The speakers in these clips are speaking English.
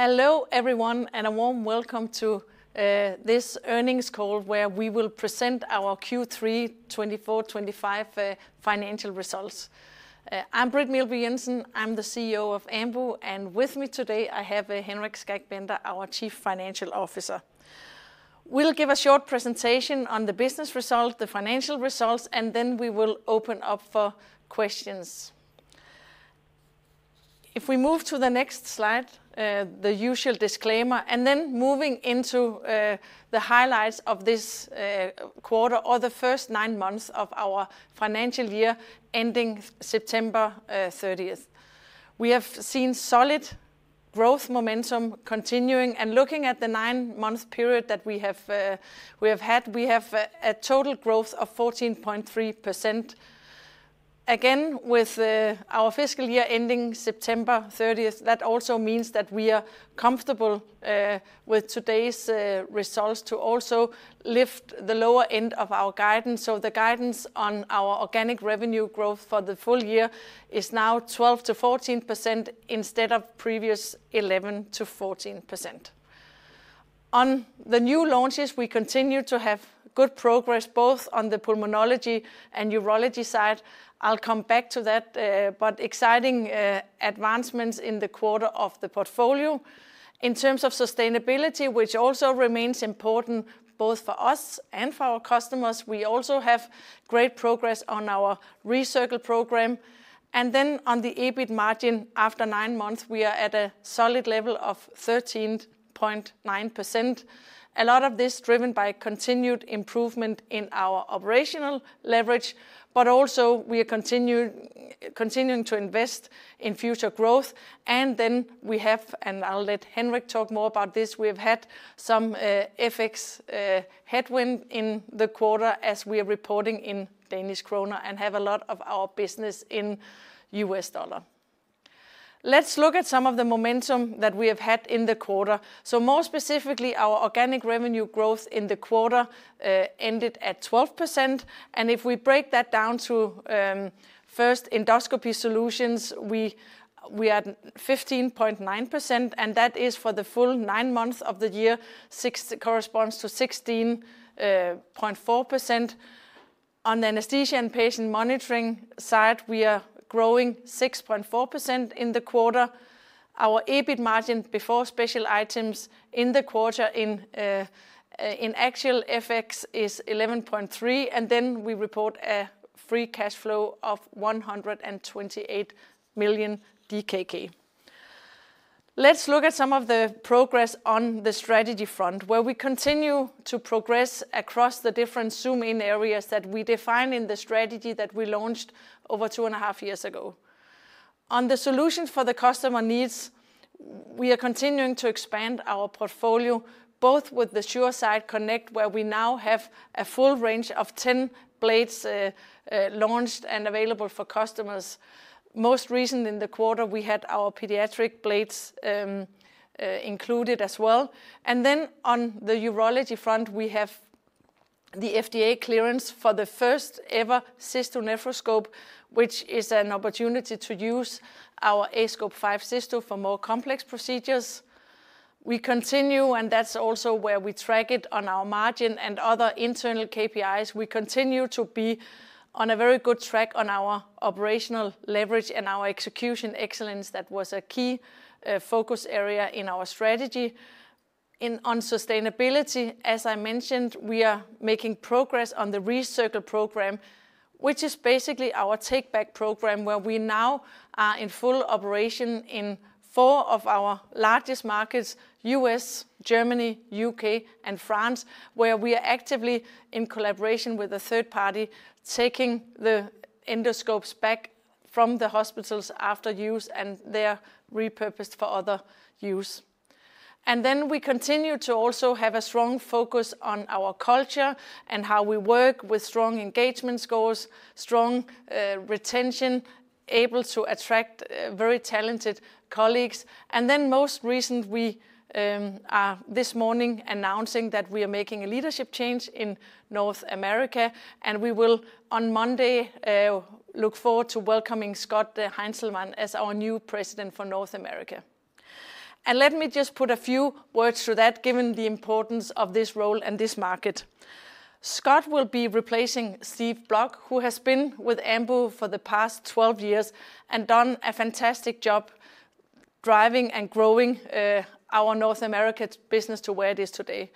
Hello everyone and a warm welcome to this earnings call where we will present our Q3 2024-2025 financial results. I'm Britt Meelby Jensen, I'm the CEO of Ambu A/S and with me today I have Henrik Skak Bender, our Chief Financial Officer. We'll give a short presentation on the business result, the financial results, and then we will open up for questions. If we move to the next slide, the usual disclaimer, and then moving into the highlights of this quarter or the first nine months of our financial year ending September 30, we have seen solid growth momentum continuing. Looking at the nine month period that we have had, we have a total growth of 14.3% again with our fiscal year ending September 30. That also means that we are comfortable with today's results to also lift the lower end of our guidance. The guidance on our organic revenue growth for the full year is now 12%-14% instead of previous 11%-14%. On the new launches we continue to have good progress both on the pulmonology and urology side. I'll come back to that. Exciting advancements in the quarter of the portfolio in terms of sustainability, which also remains important both for us and for our customers. We also have great progress on our Recircle program and then on the EBIT margin after nine months we are at a solid level of 13.9%. A lot of this driven by continued improvement in our operational leverage. We are continuing to invest in future growth. I'll let Henrik talk more about this. We have had some FX headwind in the quarter as we are reporting in Danish Krona and have a lot of our business in U.S. dollar. Let's look at some of the momentum that we have had in the quarter. More specifically, our organic revenue growth in the quarter ended at 12%. If we break that down to first Endoscopy Solutions, we are 15.9% and that is for the full nine months of the year corresponds to 16.4%. On the anesthesia and patient monitoring side, we are growing 6.4% in the quarter. Our EBIT margin before special items in the quarter in actual FX is 11.3% and then we report a free cash flow of 128 million DKK. Let's look at some of the progress on the strategy front where we continue to progress across the different zoom in areas that we define in the strategy that we launched over two and a half years ago on the solutions for the customer needs. We are continuing to expand our portfolio both with the SureSight Connect where we now have a full range of 10 blades launched and available for customers. Most recent in the quarter we had our pediatric blades included as well. On the urology front we have the FDA clearance for the first ever Cysto nephroscope, which is an opportunity to use our aScope 5 Cysto for more complex procedures. We continue and that's also where we track it on our margin and other internal KPIs. We continue to be on a very good track on our operational leverage and our execution excellence. That was a key focus area in our strategy on sustainability. As I mentioned, we are making progress on the Recircle program, which is basically our take-back program where we now are in full operation in four of our largest markets, U.S., Germany, U.K., and France, where we are actively in collaboration with a third party taking the endoscopes back from the hospitals after use and they are repurposed for other use. We continue to also have a strong focus on our culture and how we work, with strong engagement scores, strong retention, able to attract very talented colleagues. Most recently we are this morning announcing that we are making a leadership change in North America and we will on Monday look forward to welcoming Scott Heinzelman as our new President for North America. Let me just put a few words to that. Given the importance of this role and this market, Scott will be replacing Steve Block who has been with Ambu for the past 12 years and done a fantastic job driving and growing our North America business to where it is today.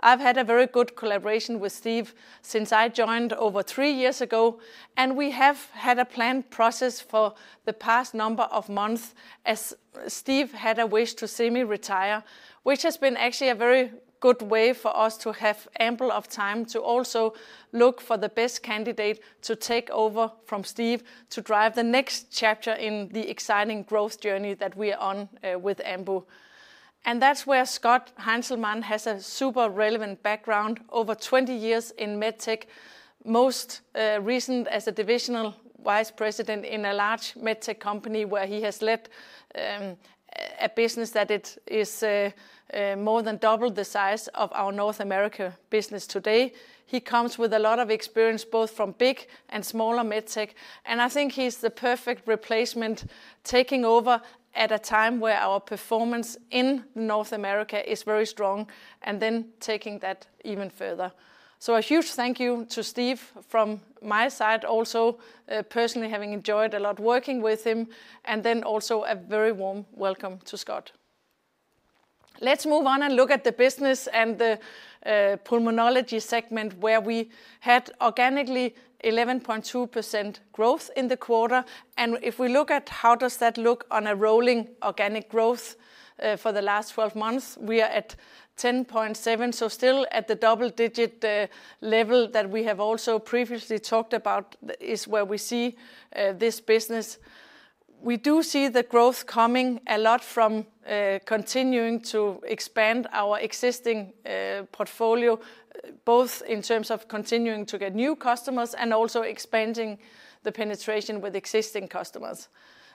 I've had a very good collaboration with Steve since I joined over three years ago and we have had a planned process for the past number of months as Steve had a wish to retire, which has been actually a very good way for us to have ample time to also look for the best candidate to take over from Steve to drive the next chapter in the exciting growth journey that we are on with Ambu. Scott Heinzelman has a super relevant background, over 20 years in medtech, most recent as a Divisional Vice President in a large medtech company where he has led a business that is more than double the size of our North America business today. He comes with a lot of experience both from big and smaller medtech and I think he's the perfect replacement, taking over at a time where our performance in North America is very strong and then taking that even further. A huge thank you to Steve from my side, also personally having enjoyed a lot working with him, and then also a very warm welcome to Scott. Let's move on and look at the business and the Pulmonology segment where we had organically 11.2% growth in the quarter, and if we look at how that looks on a rolling organic growth for the last 12 months, we are at 10.7%. Still at the double-digit level that we have also previously talked about is where we see this business. We do see the growth coming a lot from continuing to expand our existing portfolio both in terms of continuing to get new customers and also expanding the penetration with existing customers.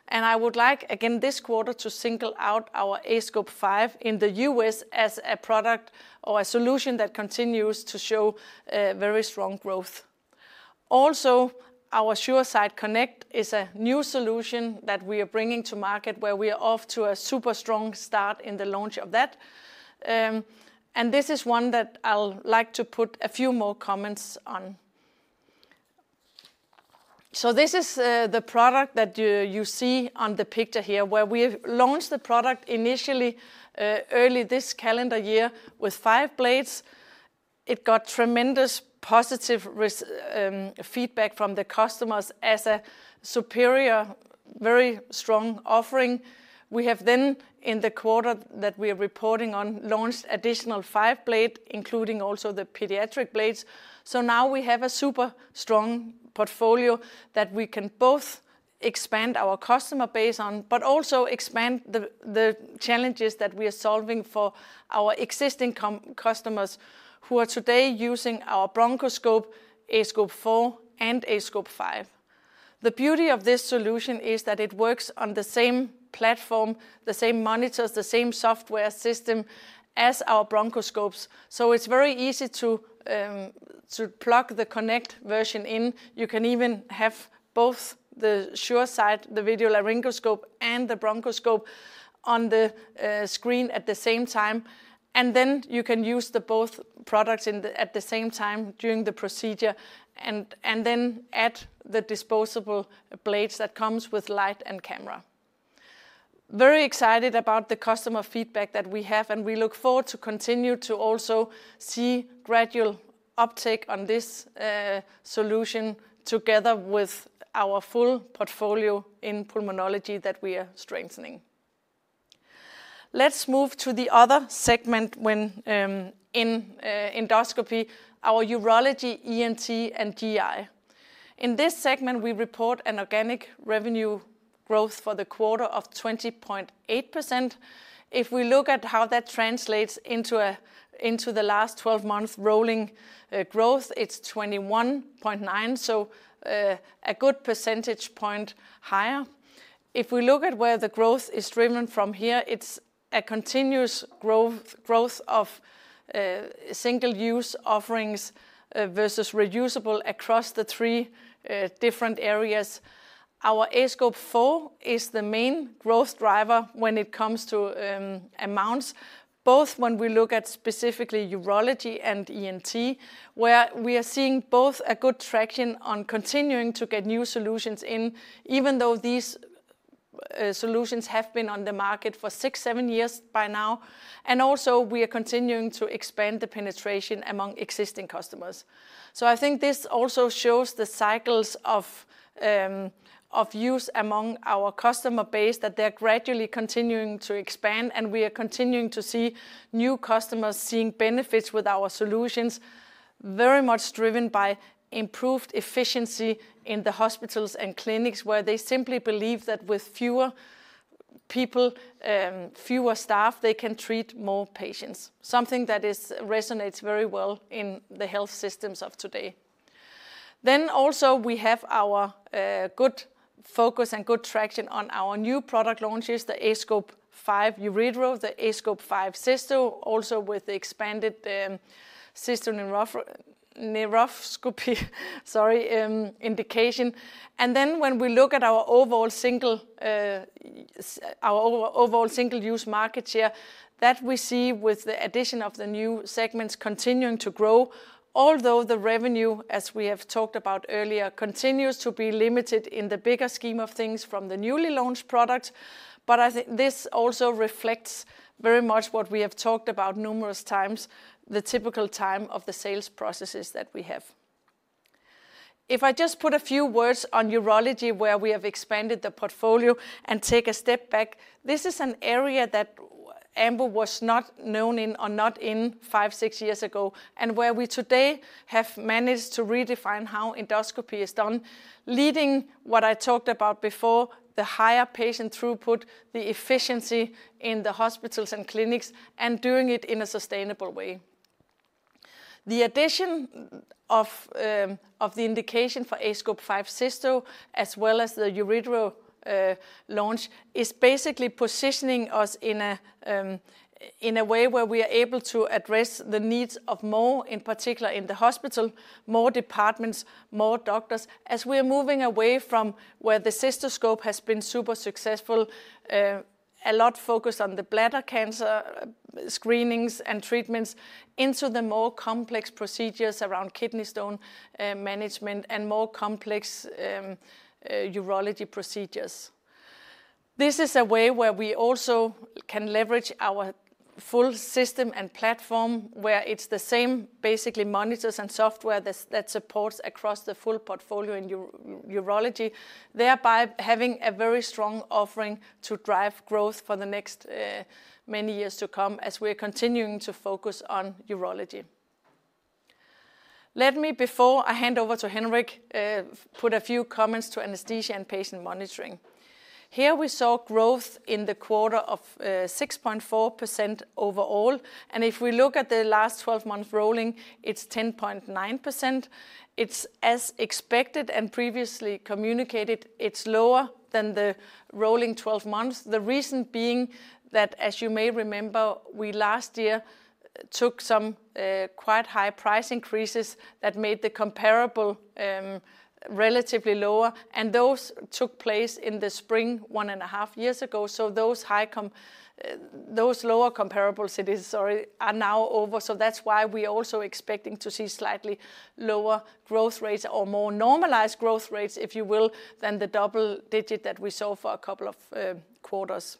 I would like again this quarter to single out our aScope 5 in the U.S. as a product or a solution that continues to show very strong growth. Also, our SureSight Connect is a new solution that we are bringing to market where we are off to a super strong start in the launch of that, and this is one that I'd like to put a few more comments on. This is the product that you see on the picture here where we launched the product initially early this calendar year with five blades, and it got tremendous positive feedback from the customers as a superior, very strong offering. We have then in the quarter that we are reporting on launched additional five blades, including also the pediatric blades. Now we have a super strong portfolio that we can both expand our customer base on but also expand the challenges that we are solving for our existing customers who are today using our Bronchoscope, aScope 4, and aScope 5. The beauty of this solution is that it works on the same platform, the same monitors, the same software system as our bronchoscopes. It's very easy to plug the Connect version in. You can even have both the SureSight, the video laryngoscope, and the Bronchoscope on the screen at the same time, and then you can use both products at the same time during the procedure and then add the disposable blades that come with light and camera. Very excited about the customer feedback that we have, and we look forward to continue to also see gradual uptake on this solution together with our full portfolio in Pulmonology that we are strengthening. Let's move to the other segment when in endoscopy, our Urology, ENT, and GI. In this segment, we report an organic revenue growth for the quarter of 20.8%. If we look at how that translates into the last 12 months rolling growth, it's 21.9%, so a good percentage point higher if we look at where the growth is driven from here. It's a continuous growth of single-use offerings versus reusable across the three different areas. Our aScope 4 is the main growth driver when it comes to amounts, both when we look at specifically Urology and ENT, where we are seeing both a good traction on continuing to get new solutions in even though these solutions have been on the market for six, seven years by now. We are continuing to expand the penetration among existing customers. I think this also shows the cycles of use among our customer base, that they're gradually continuing to expand, and we are continuing to see new customers seeing benefits with our solutions, very much driven by improved efficiency in the hospitals and clinics where they simply believe that with fewer people, fewer staff, they can treat more patients, something that resonates very well in the health systems of today. We have our good focus and good traction on our new product launches, the aScope V Uretero, the aScope 5 Cysto, also with the expanded Cystone indication. When we look at our overall single-use market share that we see with the addition of the new segments continuing to grow, although the revenue, as we have talked about earlier, continues to be limited in the bigger scheme of things from the newly launched product. I think this also reflects very much what we have talked about numerous times, the typical time of the sales processes that we have. If I just put a few words on Urology, where we have expanded the portfolio and take a step back, this is an area that Ambu A/S was not known in or not in five, six years ago and where we today have managed to redefine how endoscopy is done, leading what I talked about before, the higher patient throughput, the efficiency in the hospitals and clinics, and doing it in a sustainable way. The addition of the indication for aScope 5 Cysto as well as the Uretero launch is basically positioning us in a way where we are able to address the needs of more, in particular in the hospital, more departments, more doctors. As we are moving away from where the cystoscope has been super successful, a lot of focus on the bladder cancer screenings and treatments into the more complex procedures around kidney stone management and more complex urology procedures. This is a way where we also can leverage our full system and platform where it's the same basically monitors and software that supports across the full portfolio in urology, thereby having a very strong offering to drive growth for the next many years to come as we are continuing to focus on urology. Let me, before I hand over to Henrik, put a few comments to anesthesia and patient monitoring here. We saw growth in the quarter of 6.4% overall, and if we look at the last 12 months rolling, it's 10.9%. It's as expected and previously communicated, it's lower than the rolling 12 months. The reason being that as you may remember, we last year took some quite high price increases that made the comparable relatively lower, and those took place in the spring one and a half years ago. Those lower comparables are now over. That's why we also are expecting to see slightly lower growth rates, or more normalized growth rates if you will, than the double digit that we saw for a couple of quarters.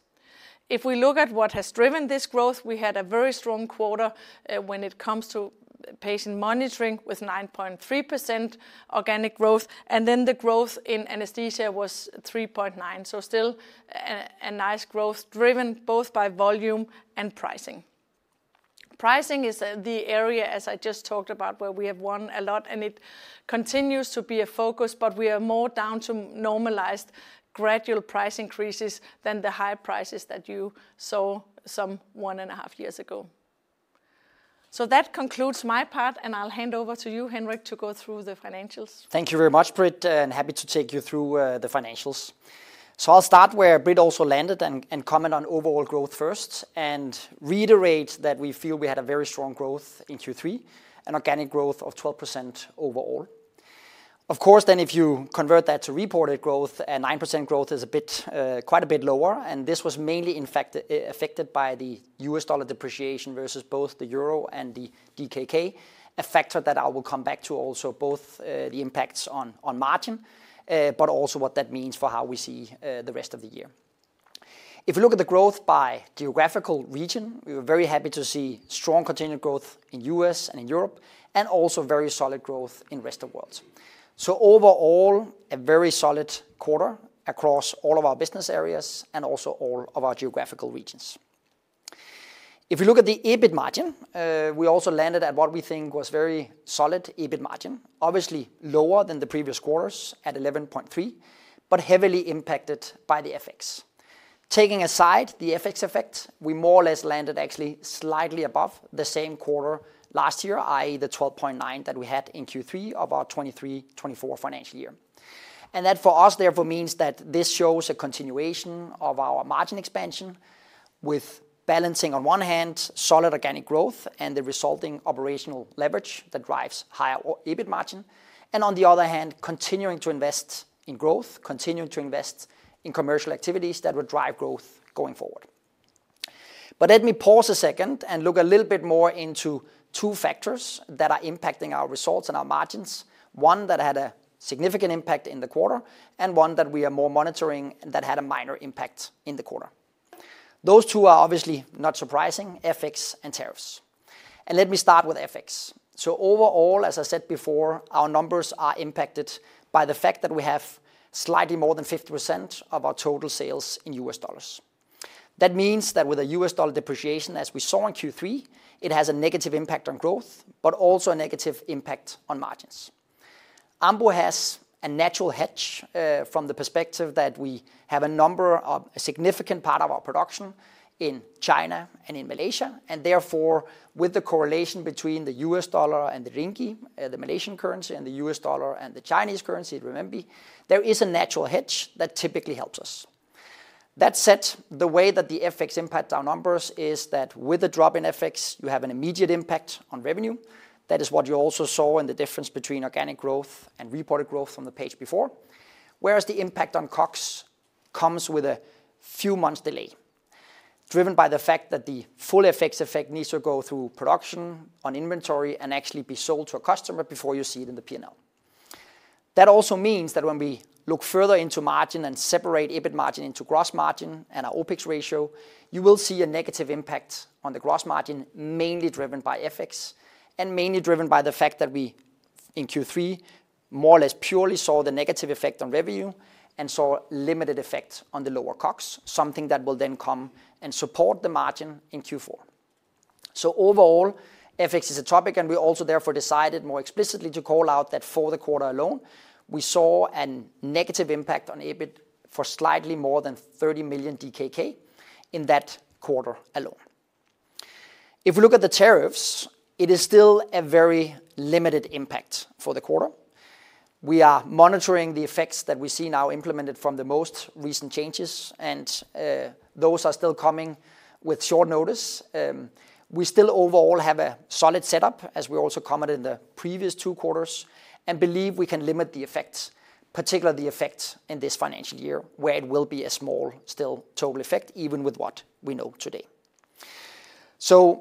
If we look at what has driven this growth, we had a very strong quarter when it comes to patient monitoring with 9.3% organic growth, and then the growth in anesthesia was 3.9%. Still a nice growth driven both by volume and pricing. Pricing is the area, as I just talked about, where we have won a lot and it continues to be a focus. We are more down to normalized gradual price increases than the high prices that you saw some one and a half years ago. That concludes my part and I'll hand over to you, Henrik, to go through the financials. Thank you very much Britt and happy to take you through the financials. I'll start where Britt also landed and comment on overall growth first and reiterate that we feel we had a very strong growth in Q3, an organic growth of 12% overall. Of course, if you convert that to reported growth, 9% growth is quite a bit lower and this was mainly affected by the U.S. dollar depreciation versus both the Euro and the DKK, a factor that I will come back to. Also both the impacts on margin and what that means for how we see the rest of the year. If you look at the growth by geographical region, we were very happy to see strong continued growth in the U.S. and in Europe and also very solid growth in Rest of World. Overall, a very solid quarter across all of our business areas and also all of our geographical regions. If you look at the EBIT margin, we also landed at what we think was a very solid EBIT margin, obviously lower than the previous quarters at 11.3% but heavily impacted by the FX. Taking aside the FX effect, we more or less landed actually slightly above the same quarter last year. That is the 12.9% that we had in Q3 of our 2023-2024 financial year. That for us therefore means that this shows a continuation of our margin expansion, with balancing on one hand solid organic growth and the resulting operational leverage that drives higher EBIT margin and on the other hand continuing to invest in growth, continuing to invest in commercial activities that will drive growth going forward. Let me pause a second and look a little bit more into two factors that are impacting our results and our margins. One that had a significant impact in the quarter and one that we are more monitoring that had a minor impact in the quarter. Those two are obviously not surprising: FX and tariffs. Let me start with FX. Overall, as I said before, our numbers are impacted by the fact that we have slightly more than 50% of our total sales in U.S. dollars. That means that with a U.S. dollar depreciation, as we saw in Q3, it has a negative impact on growth but also a negative impact on margins. Ambu has a natural hedge from the perspective that we have a significant part of our production in China and in Malaysia. Therefore, with the correlation between the U.S. dollar and the Ringgit, the Malaysian currency, and the U.S. dollar and the Chinese currency Renminbi, there is a natural hedge that typically helps us. That said, the way that the FX impacts our numbers is that with a drop in FX you have an immediate impact on revenue. That is what you also saw in the difference between organic growth and reported growth from the page before. Whereas the impact on COGS comes with a few months delay, driven by the fact that the full FX effect needs to go through production on inventory and actually be sold to a customer before you see it in the P&L. That also means that when we look further into margin and separate EBIT margin into gross margin and our OpEx ratio, you will see a negative impact on the gross margin, mainly driven by FX and mainly driven by the fact that we in Q3 more or less purely saw the negative effect on revenue and saw limited effects on the lower COGS, something that will then come and support the margin in Q4. Overall, FX is a topic and we also therefore decided more explicitly to call out that for the quarter alone we saw a negative impact on EBIT for slightly more than 30 million DKK in that quarter alone. If we look at the tariffs, it is still a very limited impact for the quarter. We are monitoring the effects that we see now implemented from the most recent changes and those are still coming with short notice. We still overall have a solid setup as we also commented in the previous two quarters and believe we can limit the effects, particularly the effect in this financial year where it will be a small still total effect even with what we know today.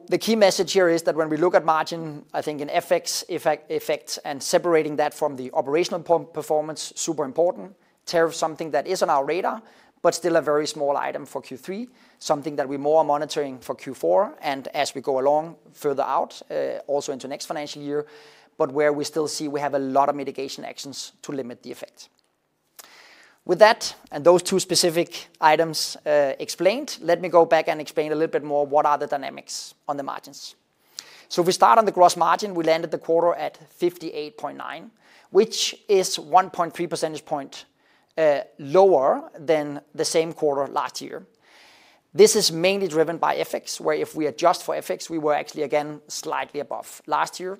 The key message here is that when we look at margin, I think in FX effect and separating that from the operational performance, super important. Tariff, something that is on our radar, but still a very small item for Q3, something that we more are monitoring for Q4 and as we go along further out also into next financial year, but where we still see we have a lot of mitigation actions to limit the effect. With that and those two specific items explained, let me go back and explain a little bit more. What are the dynamics on the margins? If we start on the gross margin, we landed the quarter at 58.9%, which is 1.3 percentage point lower than the same quarter last year. This is mainly driven by FX where if we adjust for FX we were actually again slightly above last year,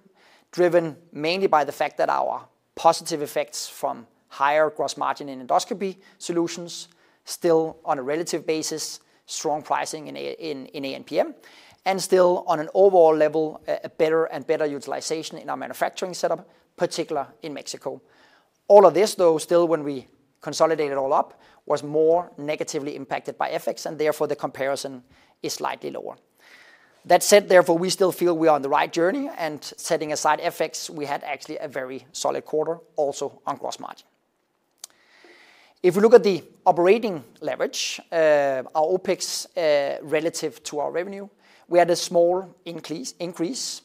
driven mainly by the fact that our positive effects from higher gross margin in Endoscopy Solutions still on a relative basis, strong pricing in an NPM and still on an overall level a better and better utilization in our manufacturing setup, particular in Mexico. All of this though still when we consolidated all up, was more negatively impacted by FX and therefore the comparison is slightly lower. That said, therefore we still feel we are on the right journey. Setting aside FX, we had actually a very solid quarter, also on gross margin. If we look at the operating leverage, our OpEx relative to our revenue, we had a small increase.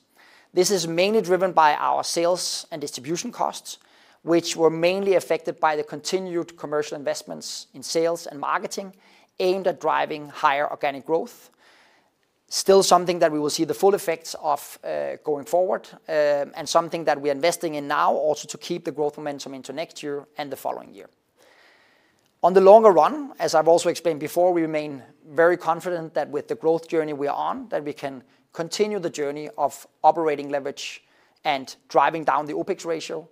This is mainly driven by our sales and distribution costs, which were mainly affected by the continued commercial investments in sales and marketing aimed at driving higher organic growth. Still something that we will see the full effects of going forward and something that we are investing in now also to keep the growth momentum into next year and the following year on the longer run. As I've also explained before, we remain very confident that with the growth journey we are on that we can continue the journey of operating leverage and driving down the OpEx ratio.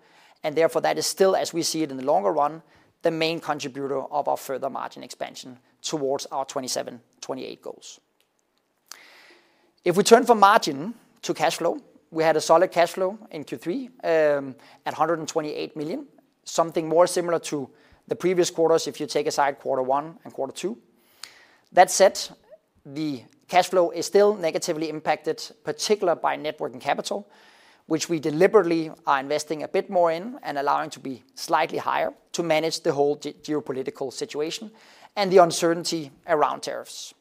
Therefore that is still, as we see it in the longer run, the main contributor of our further margin expansion towards our 2027/2028 goals. If we turn from margin to cash flow, we had a solid cash flow in Q3 at 128 million, something more similar to the previous quarters if you take aside quarter one and quarter two. That said, the cash flow is still negatively impacted, particular by net working capital, which we deliberately are investing a bit more in and allowing to be slightly higher to manage the whole geopolitical situation and the uncertainty around tariffs.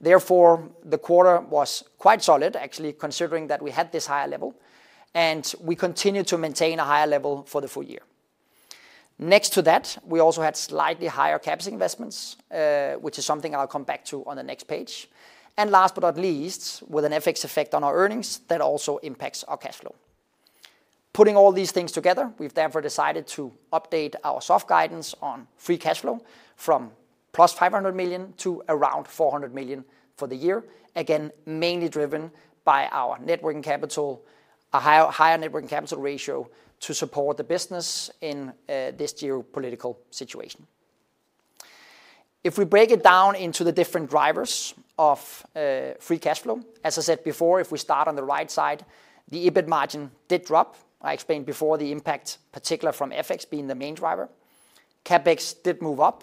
Therefore, the quarter was quite solid actually, considering that we had this higher level and we continue to maintain a higher level for the full year. Next to that we also had slightly higher CapEx investments, which is something I'll come back to on the next page. Last but not least, with an FX effect on our earnings that also impacts our cash flow. Putting all these things together, we've therefore decided to update our soft guidance on free cash flow from 500 million to around 400 million for the year, again mainly driven by our higher net working capital ratio to support the business in this geopolitical situation. If we break it down into the different drivers of free cash flow, as I said before, if we start on the right side, the EBIT margin did drop. I explained before the impact particularly from FX being the main driver. CapEx did move up.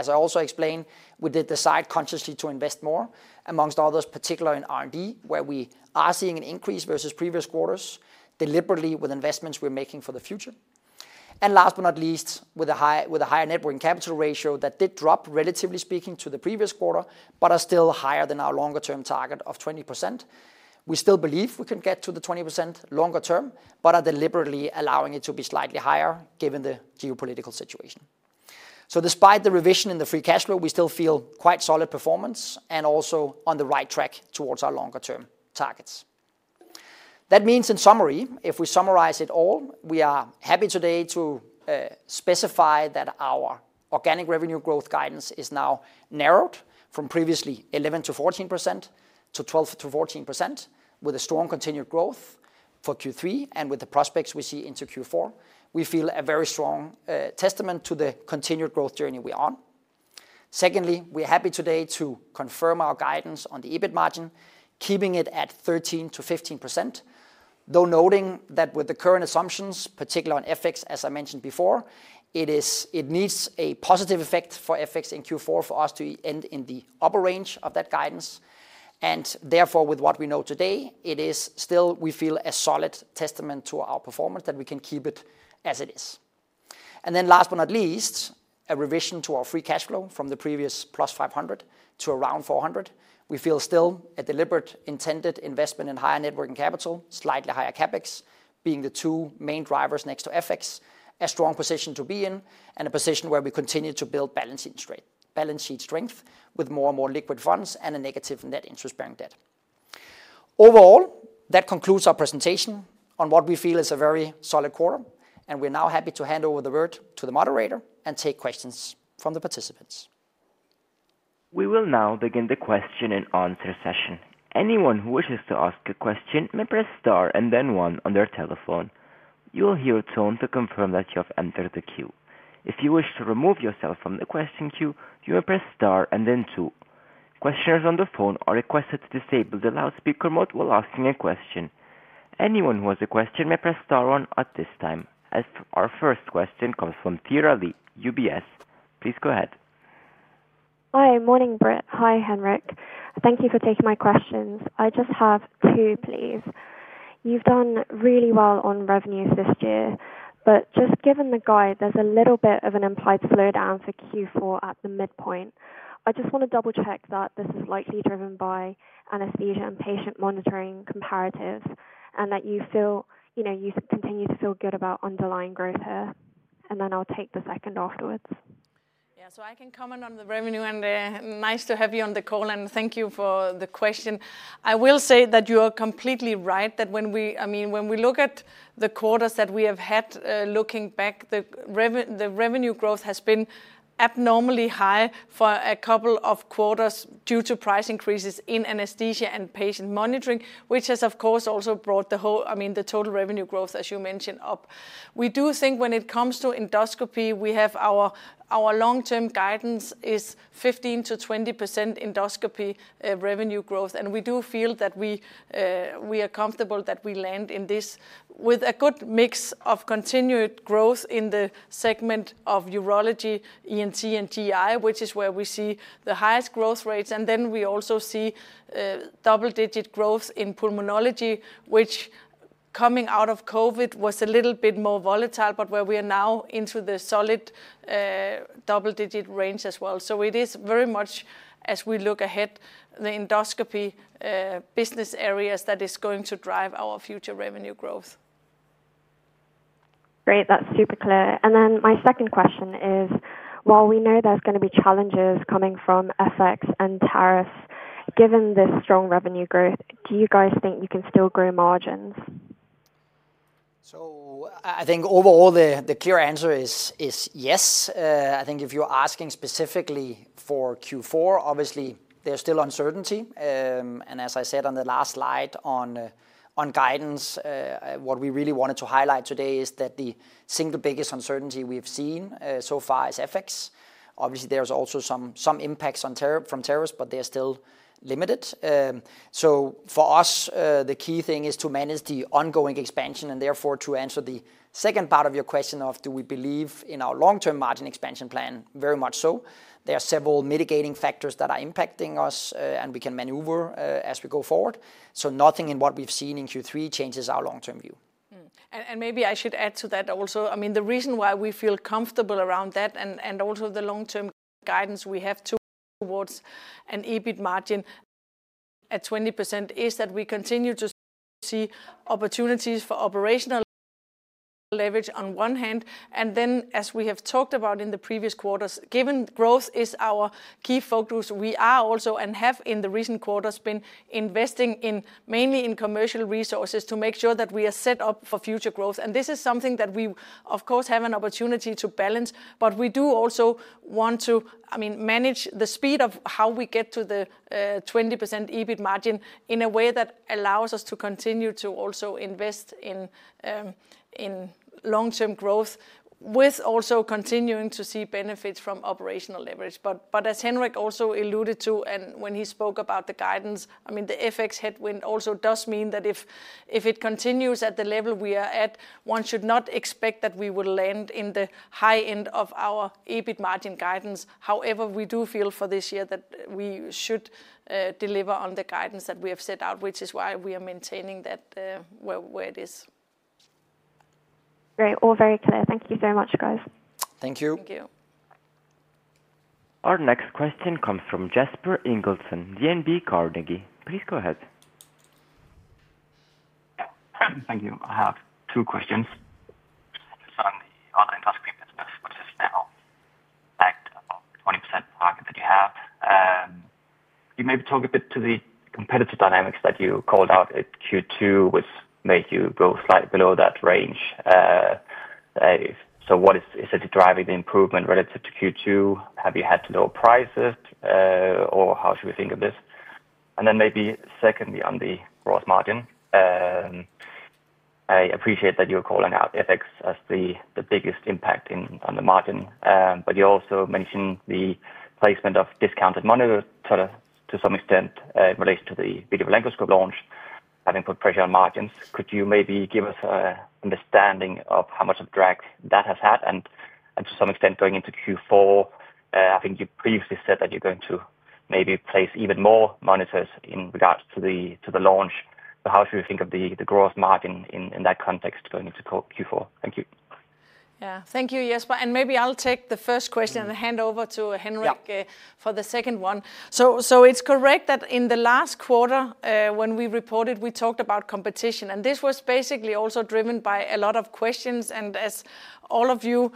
As I also explained, we did decide consciously to invest more, amongst others, particularly in R&D where we are seeing an increase versus previous quarters deliberately with investments we're making for the future. Last but not least, with a higher net working capital ratio that did drop relatively speaking to the previous quarter but is still higher than our longer term target of 20%, we still believe we can get to the 20% longer term but are deliberately allowing it to be slightly higher given the geopolitical situation. Despite the revision in the free cash flow, we still feel quite solid performance and also on the right track towards our longer term targets. That means, in summary, if we summarize it all, we are happy today to specify that our organic revenue growth guidance is now narrowed from previously 11%-14% to 12%-14% with a strong continued growth for Q3 and with the prospects we see into Q4 we feel a very strong testament to the continued growth journey we are on. Secondly, we are happy today to confirm our guidance on the EBIT margin keeping it at 13%-15%, though noting that with the current assumptions, particularly on FX, as I mentioned before, it needs a positive effect for FX in Q4 for us to end in the upper range of that guidance. Therefore, with what we know today, it is still, we feel, a solid testament to our performance that we can keep it as it is. Last but not least, a revision to our free cash flow from the previous +500 million to around 400 million we feel is still a deliberate intended investment in higher net working capital, slightly higher CapEx being the two main drivers next to FX, a strong position to be in and a position where we continue to build balance sheet strength with more and more liquid funds and a negative net interest bearing debt. Overall, that concludes our presentation on what we feel is a very solid quarter. We are now happy to hand over the word to the moderator and take questions from the participants. We will now begin the question and answer session. Anyone who wishes to ask a question may press star and then one on their telephone. You will hear a tone to confirm that you have entered the queue. If you wish to remove yourself from the question queue, you may press star and then two. Questioners on the phone are requested to disable the loudspeaker mode while asking a question. Anyone who has a question may press star one at this time as our first question comes from Thyra Lee, UBS. Please go ahead. Hi. Morning, Britt. Hi, Henrik. Thank you for taking my questions. I just have two, please. You've done really well on revenues this year, but just given the guide, there's a little bit of an implied slowdown for Q4 at the midpoint. I just want to double check that this is likely driven by anesthesia and patient monitoring comparatives and that you continue to feel good about underlying growth here. I'll take the second afterwards. Yeah. I can comment on the revenue. Nice to have you on the call and thank you for the question. You are completely right that when we look at the quarters that we have had, looking back, the revenue growth has been abnormally high for a couple of quarters due to price increases in anesthesia and patient monitoring, which has of course also brought the total revenue growth, as you mentioned, up. We do think when it comes to endoscopy, our long-term guidance is 15%-20% endoscopy revenue growth. We do feel that we are comfortable that we land in this with a good mix of continued growth in the segment of urology, ENT, and GI, which is where we see the highest growth rates. We also see double-digit growth in pulmonology, which coming out of COVID was a little bit more volatile, but where we are now into the solid double-digit range as well. It is very much, as we look ahead, the endoscopy business areas that are going to drive our future revenue growth. Great, that's super clear. My second question is, while we know there's going to be challenges coming from FX and tariffs, given this strong revenue growth, do you guys think you can still grow margins? I think overall the clear answer is yes. If you're asking specifically for Q4, obviously there's still uncertainty. As I said on the last slide on guidance, what we really wanted to highlight today is that the single biggest uncertainty we have seen so far is FX. Obviously there's also some impacts from tariffs, but they're still limited. For us the key thing is to manage the ongoing expansion. Therefore, to answer the second part of your question of do we believe in our long term margin expansion plan, very much so. There are several mitigating factors that are impacting us and we can maneuver as we go forward. Nothing in what we've seen in Q3 changes our long term view. Maybe I should add to that also. I mean, the reason why we feel comfortable around that and also the long-term guidance we have towards an EBIT margin at 20% is that we continue to see opportunities for operational leverage on one hand, and then as we have talked about in the previous quarters, given growth is our key focus, we are also and have in the recent quarters been investing mainly in commercial resources to make sure that we are set up for future growth. This is something that we of course have an opportunity to balance. We do also want to manage the speed of how we get to the 20% EBIT margin in a way that allows us to continue to also invest in long-term growth with also continuing to see benefits from operational leverage. As Henrik also alluded to when he spoke about the guidance, the FX headwind also does mean that if it continues at the level we are at, one should not expect that we will land in the high end of our EBIT margin guidance. However, we do feel for this year that we should deliver on the guidance that we have set out, which is why we are maintaining that where it is Great. All very clear. Thank you very much, guys. Thank you. Thank you. Our next question comes from Jesper Ingildsen, Carnegie. Please go ahead. Thank you. I have two questions. It's on the online task business, which. Is now. 20% target that you have. Maybe talk a bit to the. Competitive dynamics that you called out at Q2 which made you go slightly below that range. What is it driving the improvement relative to Q2? Have you had to lower prices or how should we think of this? Secondly, on the gross margin, I appreciate that you're calling out FX as the biggest impact on the margin, but you also mentioned the placement of discounted monitors to some extent in relation to the video laryngoscopy launch having put pressure on margins. Could you maybe give us an understanding of how much of a drag that has had and to some extent going into Q4? I think you previously said that you're going to maybe place even more monitors in regards to the launch, but how should we think of the gross margin in that context going into Q4? Thank you. Yeah, thank you, Jesper. Maybe I'll take the first question and hand over to Henrik for the second one. It's correct that in the last quarter when we reported, we talked about competition and this was basically also driven by a lot of questions. As all of you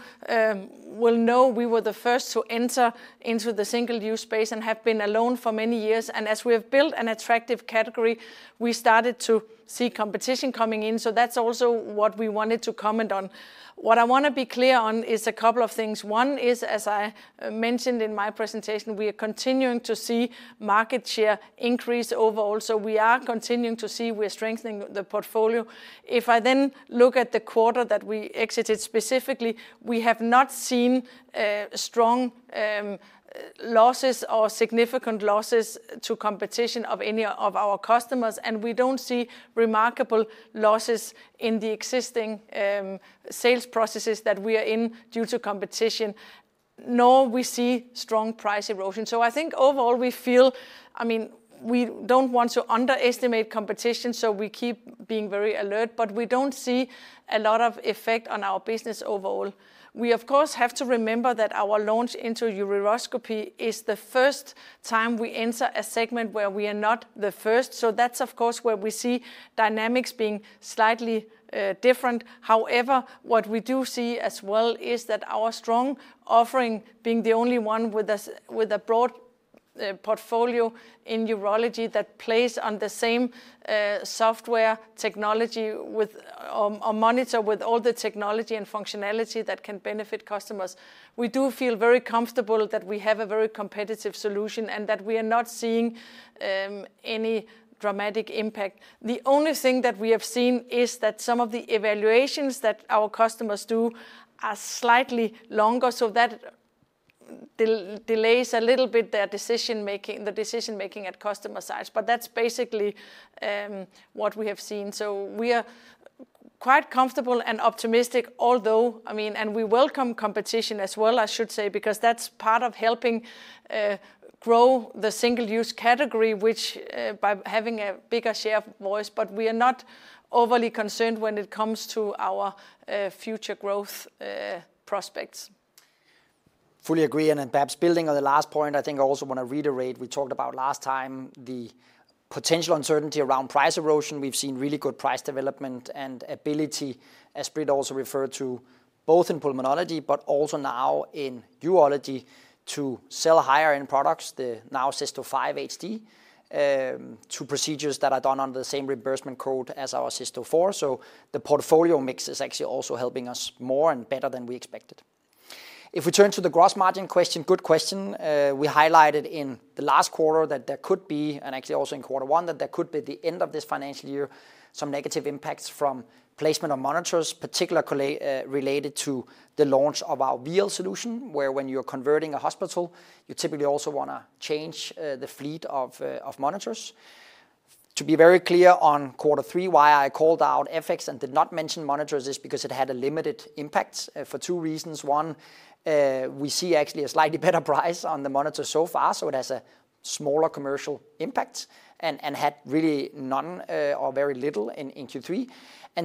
will know, we were the first to enter into the single-use space and have been alone for many years. As we have built an attractive category, we started to see competition coming in. That's also what we wanted to comment on. What I want to be clear on is a couple of things. One is, as I mentioned in my presentation, we are continuing to see market share increase overall. We are continuing to see we're strengthening the portfolio. If I then look at the quarter that we exited specifically, we have not seen strong losses or significant losses to competition of any of our customers. We don't see remarkable losses in the existing sales processes that we are in due to competition, nor do we see strong price erosion. I think overall we feel, I mean, we don't want to underestimate competition, so we keep being very alert, but we don't see a lot of effect on our business overall. We of course have to remember that our launch into urology is the first time we enter a segment where we are not the first. That's of course where we see dynamics being slightly different. However, what we do see as well is that our strong offering, being the only one with a broad portfolio in urology that plays on the same software, technology, or monitor with all the technology and functionality that can benefit customers, we do feel very comfortable that we have a very competitive solution and that we are not seeing any dramatic impact. The only thing that we have seen is that some of the evaluations that our customers do are slightly longer, so that delays a little bit their decision making, the decision making at customer sites. That's basically what we have seen. We are quite comfortable and optimistic. Although, I mean, and we welcome competition as well, I should say, because that's part of helping grow the single-use category, which by having a bigger share of voice. We are not overly concerned when it comes to our future growth prospects. Fully agree. Perhaps building on the last point, I think I also want to reiterate, we talked about last time the potential uncertainty around price erosion. We've seen really good price development and ability, as Britt also referred to, both in Pulmonology but also now in Urology to sell higher end products. The now 5 Cysto HD2 procedures that are done under the same reimbursement code as our aScope 4. The portfolio mix is actually also helping us more and better than we expected. If we turn to the gross margin question. Good question. We highlighted in the last quarter that there could be, and actually also in quarter one, that there could be the end of this financial year some negative impacts from placement of monitors, particularly related to the launch of our VL solution where when you're converting a hospital you typically also want to change the fleet of monitors. To be very clear on quarter three, why I called out FX and did not mention monitors is because it had a limited impact for two reasons. One, we see actually a slightly better price on the monitor so far. It has a smaller commercial impact and had really none or very little in Q3.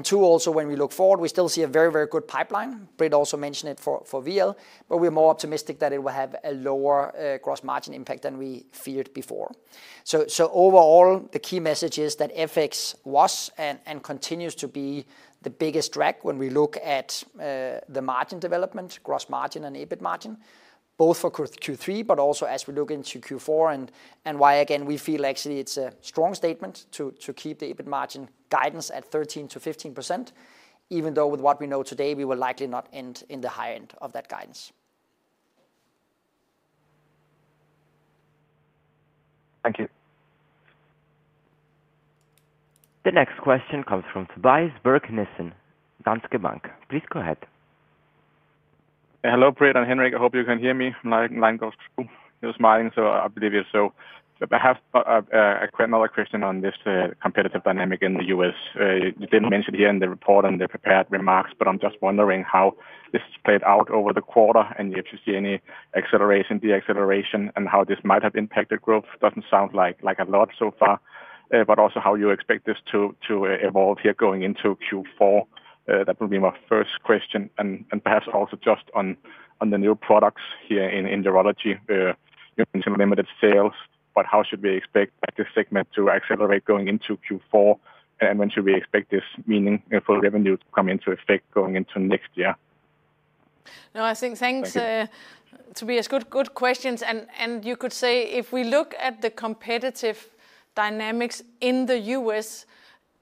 Two, also when we look forward we still see a very, very good pipeline. Britt also mentioned it for video laryngoscopy, but we're more optimistic that it will have a lower gross margin impact than we felt before. Overall the key message is that FX was and continues to be the biggest drag when we look at the margin development, gross margin and EBIT margin, both for Q3, but also as we look into Q4 and why again we feel actually it's a strong statement to keep the EBIT margin guidance at 13%-15%, even though with what we know today we will likely not end in the high end of that guidance. Thank you. The next question comes from Tobias Berg Nissen, Danske Bank. Please go ahead. Hello Britt and Henrik. I hope you can hear me smiling, so I believe you. I have another question on this competitive dynamic in the U.S. You didn't mention it here in the report and the prepared remarks, but I'm just wondering how this played out over the quarter and if you see any acceleration, deceleration, and how this might have impacted growth. It doesn't sound like a lot so far, but also how you expect this to evolve going into Q4. That will be my first question, and perhaps also just on the new products here in Urology, limited sales. How should we expect this segment to accelerate going into Q4, and when should we expect this meaningful revenue to come into effect going into next year? No, I think that's a good question and you could say if we look at the competitive dynamics in the U.S.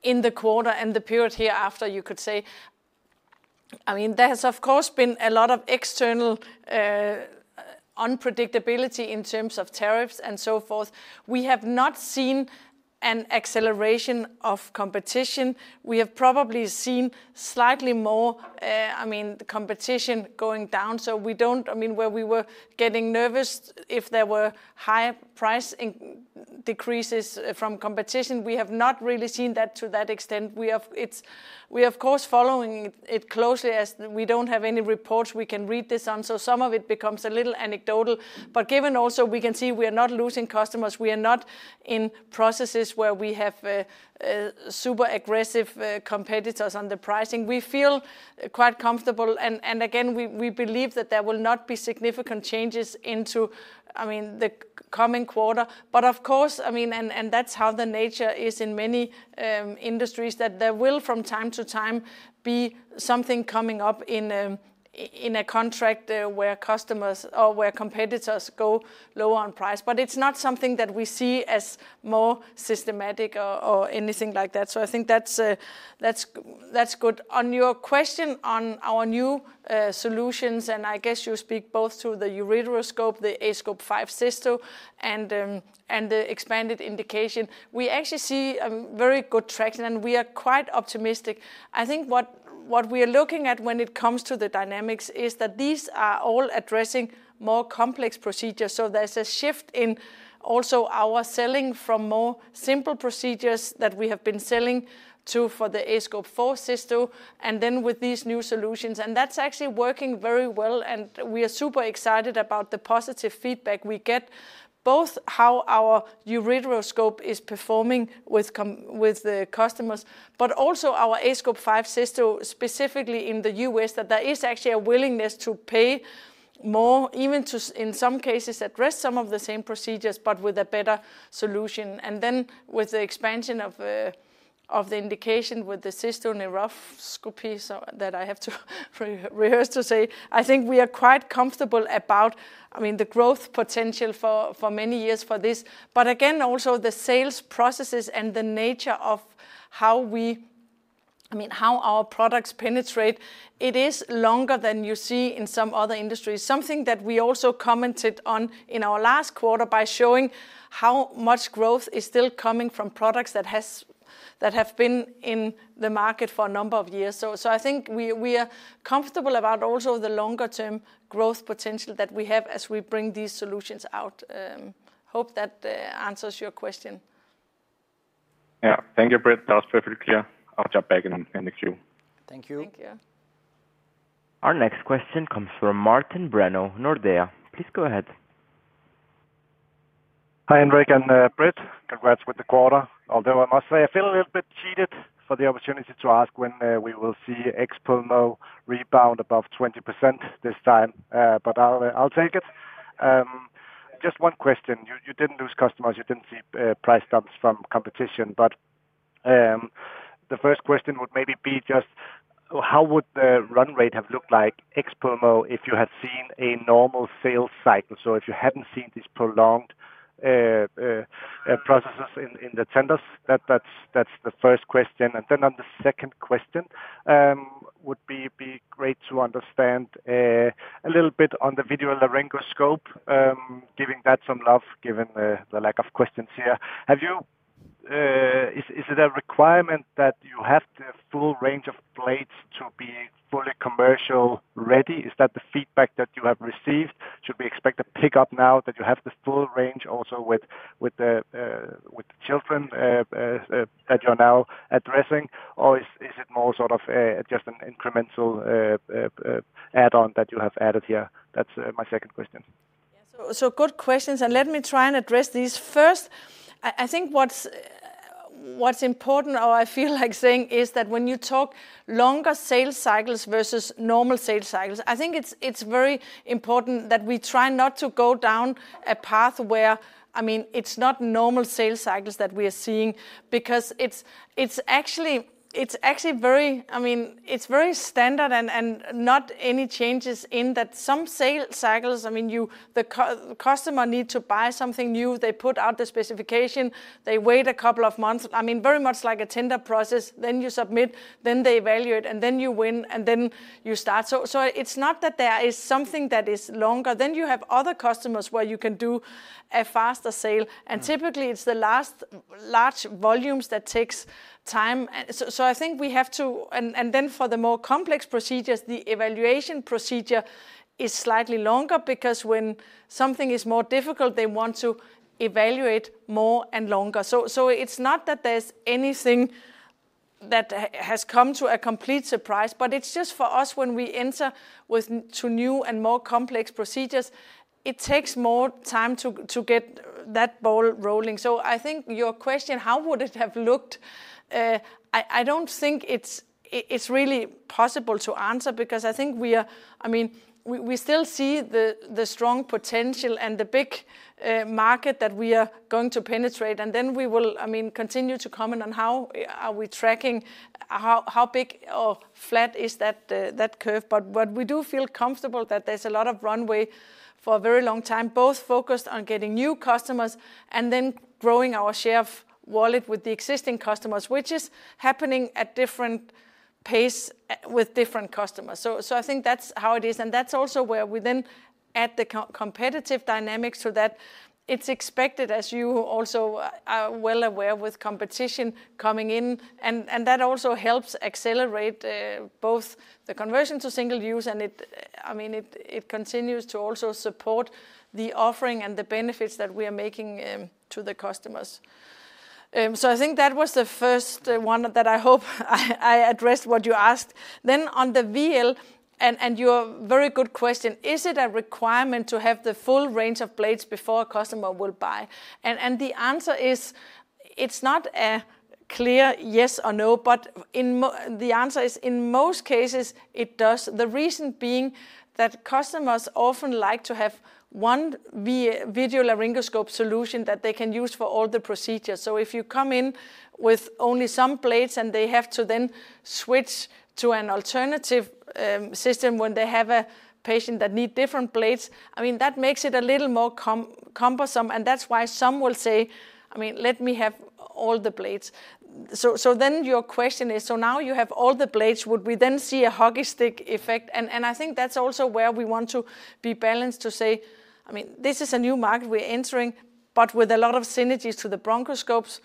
in the quarter and the period hereafter, you could say, I mean there has of course been a lot of external unpredictability in terms of tariffs and so forth. We have not seen an acceleration of competition. We have probably seen slightly more, I mean the competition going down. We don't, I mean where we were getting nervous if there were higher price decreases from competition, we have not really seen that to that extent. We are of course following it closely as we don't have any reports we can read this on so some of it becomes a little anecdotal. Given also we can see we are not losing customers. We are not in processes where we have super aggressive competitors. On the pricing we feel quite comfortable and again we believe that there will not be significant changes in, into I mean the coming quarter. Of course, I mean that's how the nature is in many industries that there will from time to time be something coming up in a contract where customers or where competitors go lower on price but it's not something that we see as more systematic or anything like that. I think that's good. On your question on our new solutions and I guess you speak both to the ureteroscope, the aScope 5 Cysto and the expanded indication. We actually see very good traction and we are quite optimistic. I think what we are looking at when it comes to the dynamics is that these are all addressing more complex procedures. There's a shift in also our selling from more simple procedures that we have been selling to for the aScope 4 Cysto and then with these new solutions and that's actually working very well. We are super excited about the positive feedback we get both how our ureter aScope is performing with the customers but also our aScope 5 Cysto specifically in the U.S. that there is actually a willingness to pay more even to in some cases address some of the same procedures but with a better solution. With the expansion of the indication with the cysto and ureteroscopy that I have to rehearse to say I think we are quite comfortable about, I mean, the growth potential for many years for this. Again also the sales processes and the nature of how we, I mean how our products penetrate. It is longer than you see in some other industries. Something that we also commented on in our last quarter by showing how much growth is still coming from products that have been in the market for a number of years. I think we are comfortable about also the longer term growth potential that we have as we bring these solutions out. Hope that answers your question. Yeah, thank you Britt. That was perfectly clear. I'll jump back in the queue. Thank you. Thank you. Our next question comes from Martin Brenoe, Nordea, please go ahead. Hi Henrik and Britt. Congrats with the quarter. Although I must say I feel a little bit cheated for the opportunity to ask when we will see Pulmonology rebound above 20% this time. I'll take it. Just one question. You didn't lose customers, you didn't see price dumps from competition. The first question would maybe be just how would the run rate have looked like ex Pulmonology if you had seen a normal sales cycle? If you hadn't seen these prolonged processes in the tenders, that's the first question. The second question would be great to understand a little bit on the video laryngoscopy. Giving that some love given the lack of questions here. Is it a requirement that you have the full range of blades to be fully commercial ready? Is that the feedback that you have received? Should we expect a pick up now that you have the full range also with children that you're now addressing? Or is it more sort of just an incremental add-on that you have added here? That's my second question. Good questions, and let me try and address these first. I think what's important, or I feel like saying, is that when you talk longer sales cycles versus normal sales cycles, I think it's very important that we try not to go down a path where, I mean, it's not normal sales cycles that we are seeing because it's actually very, I mean, it's very standard and not any changes in that. Some sales cycles, I mean, the customer needs to buy something new, they put out the specification, they wait a couple of months, very much like a tender process, then you submit, then they evaluate, and then you win, and then you start. It's not that there is something that is longer. Then you have other customers where you can do a faster sale, and typically it's the last large volumes that take time. I think we have to. For the more complex procedures, the evaluation procedure is slightly longer because when something is more difficult, they want to evaluate more and longer. It's not that there's anything that has come to a complete surprise, but it's just for us when we enter into new and more complex procedures, it takes more time to get that ball rolling. I think your question, how would it have looked? I don't think it's really possible to answer because I think we are, I mean, we still see the strong potential and the big market that we are going to penetrate. We will continue to comment on how we are tracking, how big or flat is that curve. We do feel comfortable that there's a lot of runway for a very long time, both focused on getting, creating new customers, and then growing our share of wallet with the existing customers, which is happening at different pace with different customers. I think that's how it is. That's also where we then add the competitive dynamics so that it's expected, as you also are well aware, with competition coming in. That also helps accelerate both the conversion to single-use and it continues to also support the offering and the benefits that we are making to the customers. I think that was the first one, and I hope I addressed what you asked. On the VL and your very good question, is it a requirement to have the full range of blades before a customer will buy? The answer is it's not a clear yes or no, but the answer is in most cases it does. The reason being that customers often like to have one video laryngoscope solution that they can use for all the procedures. If you come in with only some plates and they have to then switch to an alternative system when they have a patient that need different blades, that makes it a little more cumbersome. That's why some will say, let me have all the blades. Your question is, now you have all the blades, would we then see a hockey stick effect? I think that's also where we want to be balanced to say, this is a new market we're entering, but with a lot of synergies to the broncoscopes.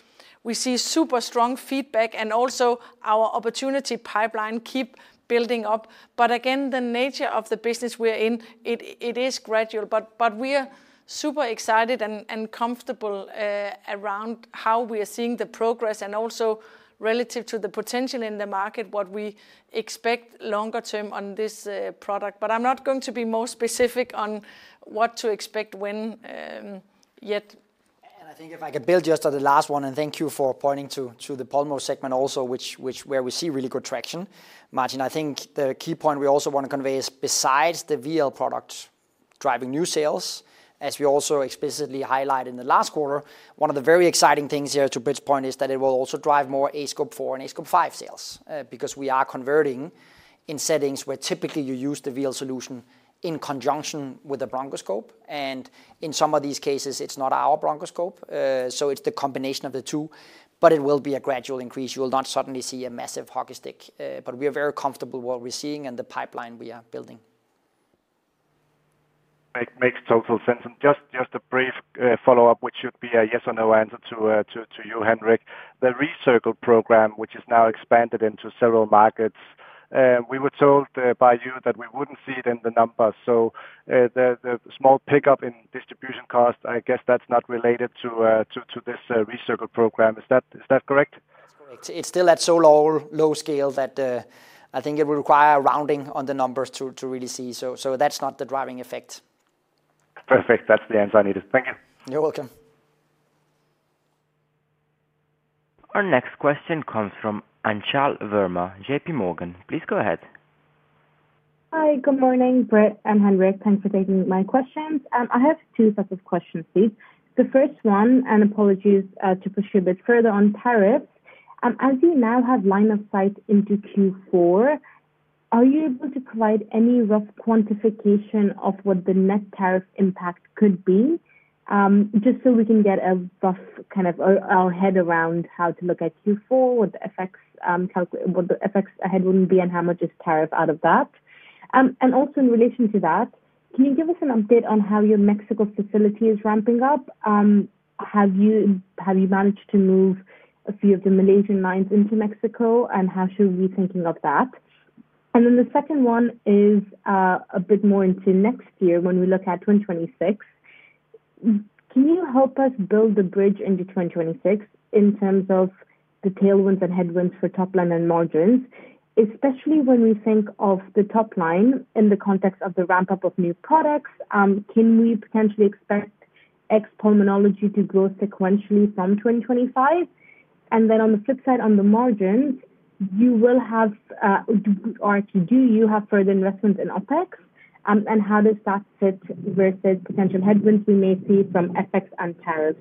We see super strong feedback and also our opportunity pipeline keeps building up. Again, the nature of the business we're in, it is gradual, but we are super excited and comfortable around how we are seeing the progress and also relative to the potential in the market, what we expect longer term on this product. I'm not going to be more specific on what to expect when yet. I think if I could build just on the last one. Thank you for pointing to the Pulmonology segment also, where we see really good traction. Martin, I think the key point we also want to convey is besides the video laryngoscopy products driving new sales, as we also explicitly highlighted in the last quarter, one of the very exciting things here to Bridgepoint is that it will also drive more aScope 4 and aScope 5 sales because we are converting in settings where typically you use the video laryngoscopy solution in conjunction with the bronchoscope. In some of these cases it's not our bronchoscope, so it's the combination of the two. It will be a gradual increase. You will not suddenly see a massive hockey stick. We are very comfortable with what we're seeing and the pipeline we are building. Makes total sense. Just a brief follow up, which should be a yes or no answer to you, Henrik. The Recircle program, which is now expanded into several markets, we were told by you that we wouldn't see it in the numbers, small pickup in distribution cost. I guess that's not related to this Recircle program, is that correct? It's still at so low scale that I think it would require rounding on the numbers to really see. That's not the driving effect. Perfect. That's the answer I needed. Thank you. You're welcome. Our next question comes from Anchal Verma, J.P. Morgan. Please go ahead. Hi, good morning. Britt and Henrik. Thanks for taking my questions. I have two sets of questions, please. The first one, and apologies to push you a bit further on tariff, as you now have line of sight into Q4, are you able to provide any rough quantification of what the net tariff impact could be? Just so we can get a rough kind of our head around how to look at Q4, what the effects ahead wouldn't be and how much is tariff out of that? Also, in relation to that, can you give us an update on how your Mexico facility is ramping up? Have you managed to move a few of the Malaysian lines into Mexico and how should we be thinking of that? The second one is a bit more into next year when we look at 2026. Can you help us build the bridge into 2026 in terms of the tailwinds and headwinds for top line and margins? Especially when we think of the top line in the context of the ramp up of new products, can we potentially expect X pulmonology to grow sequentially from 2025 and then on the flip side, on the margins you will have or actually do you have further investments in OpEx and how does that fit versus potential headwinds we may see from FX untapped?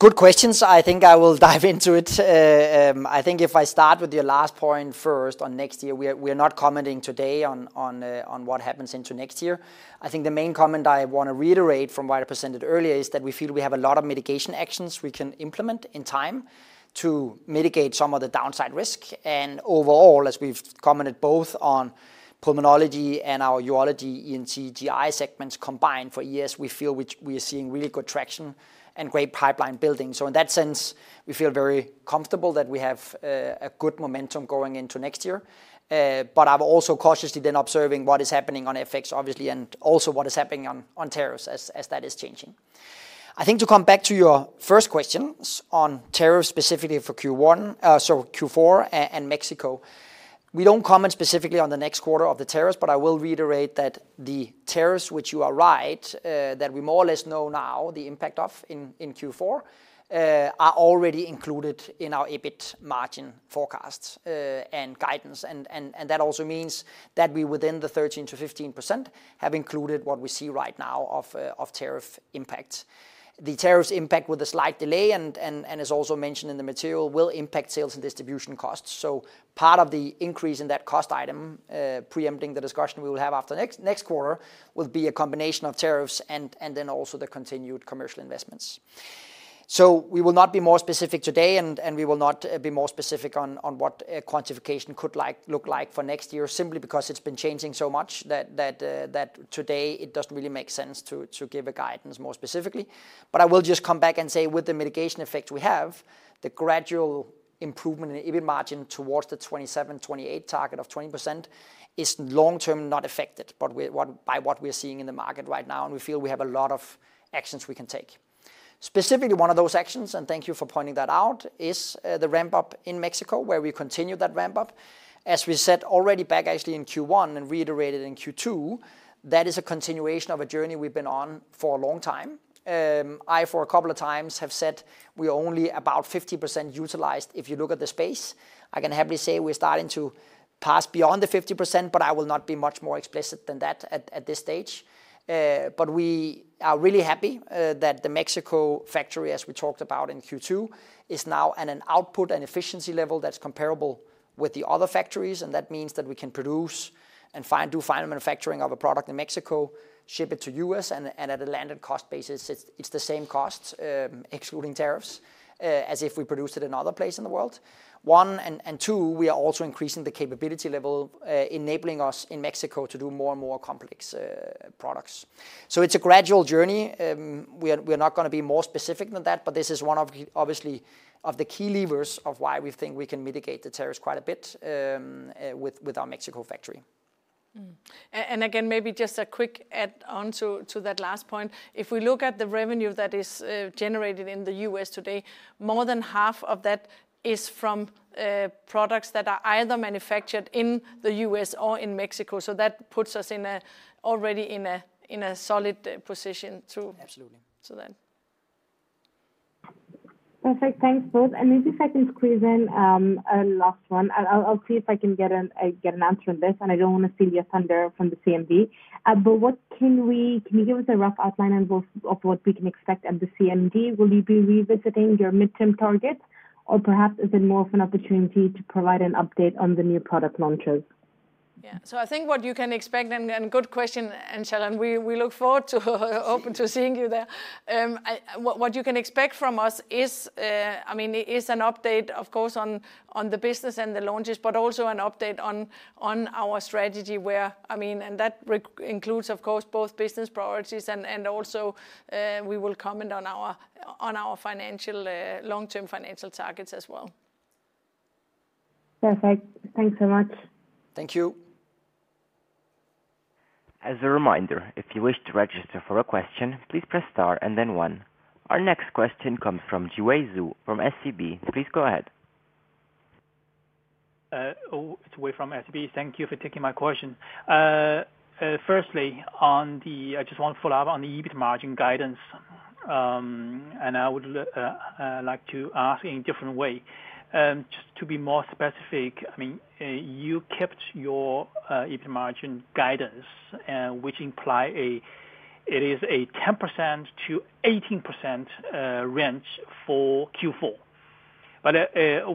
Good questions. I think I will dive into it. If I start with your last point first on next year, we are not commenting today on what happens into next year. The main comment I want to reiterate from what I presented earlier is that we feel we have a lot of mitigation actions we can implement in time to mitigate some of the downside risk. Overall, as we've commented both on pulmonology and our urology ENT GI segments combined for years, we feel we are seeing really good traction and great pipeline building. In that sense, we feel very comfortable that we have good momentum going into next year. I'm also cautiously then observing what is happening on FX obviously and also what is happening on tariffs as that is changing. To come back to your first question on tariffs specifically for Q1, so Q4 and Mexico, we don't comment specifically on the next quarter of the tariffs, but I will reiterate that the tariffs, which you are right that we more or less know now the impact of in Q4, are already included in our EBIT margin forecasts and guidance. That also means that we, within the 13%-15%, have included what we see right now of tariff impacts. The tariffs impact with a slight delay and, as also mentioned in the material, will impact sales and distribution costs. Part of the increase in that cost item, preempting the discussion we will have after next quarter, will be a combination of tariffs and then also the continued commercial investment. We will not be more specific today and we will not be more specific on what quantification could look like for next year simply because it's been changing so much that today it doesn't really make sense to give a guidance more specifically. I will just come back and say with the mitigation effect we have, the gradual improvement in EBIT margin towards the 2027-2028 target of 20% is long term not affected by what we're seeing in the market right now, and we feel we have a lot of actions we can take. Specifically, one of those actions, and thank you for pointing that out, is the ramp up in Mexico where we continue that ramp up as we said already back actually in Q1 and reiterated in Q2. That is a continuation of a journey we've been on for a long time. I, for a couple of times, have said we are only about 50% utilized. If you look at the space, I can happily say we're starting to pass beyond the 50%, but I will not be much more explicit than that at this stage. We are really happy that the Mexico factory, as we talked about in Q2, is now at an output and efficiency level that's comparable with the other factories. That means that we can produce and do final manufacturing of a product in Mexico, ship it to the U.S., and at a landed cost basis it's the same cost, excluding tariffs, as if we produced it another place in the world. We are also increasing the capability level, enabling us in Mexico to do more and more complex products. It's a gradual journey. We're not going to be more specific than that, but this is obviously one of the key levers of why we think we can mitigate the tariffs quite a bit with our Mexico factory. Maybe just a quick add on to that last point. If we look at the revenue that is generated in the U.S. today, more than half of that is from products that are either manufactured in the U.S. or in Mexico. That puts us already in a solid position to. Absolutely. So then. Perfect. Thanks both, and maybe if I can squeeze in a last one, I'll see if I can get an answer on this. I don't want to be the offender from the CMD, but can you give us a rough outline of what we can expect at the CMD? Will you be revisiting your midterm target, or perhaps is it more of an opportunity to provide an update on the new product launches? I think what you can expect, and good question, Anchal. We look forward to seeing you there. What you expect from us is, I mean, is an update of course on the business and the launches, but also an update on our strategy, where I mean, and that includes of course both business priorities, and also we will comment on our financial, long-term financial targets as well. Perfect. Thanks so much. Thank you. As a reminder, if you wish to register for a question, please press star. Our next question comes from Yiwei Zhou from SEB. Please go ahead. Thank you for taking my question. Firstly, I just want to follow up on the EBITDA margin guidance and I would like to ask in a different way just to be more specific. I mean you kept your EBITDA margin guidance which implies it is a 10%-18% range for Q4, but